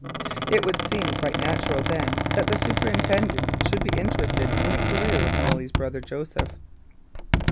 It would seem quite natural, then, that the superintendent should be interested in the career of Molly's brother Joseph.